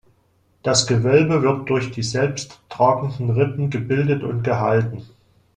Das Gewölbe wird durch die selbst tragenden Rippen gebildet und gehalten.